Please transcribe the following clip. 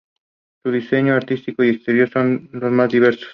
Su diseño artístico y exterior son de lo más diversos.